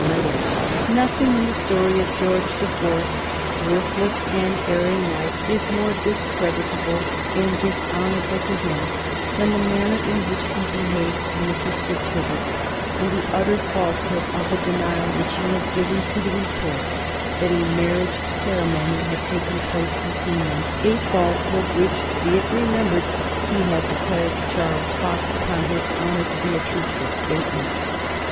[Sidenote: 1830 The character of George the Fourth] Nothing in the story of George the Fourth's worthless and erring life is more discreditable and dishonorable to him than the manner in which he behaved to Mrs. Fitzherbert, and the utter falsehood of the denial which he had given to the reports that a marriage ceremony had taken place between them a falsehood which, be it remembered, he had declared to Charles Fox upon his honor to be a truthful statement.